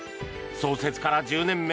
創設から１０年目